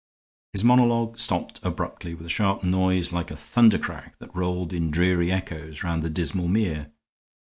His monologue stopped abruptly with a sharp noise like a thundercrack that rolled in dreary echoes round the dismal mere.